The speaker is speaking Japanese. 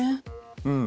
うん。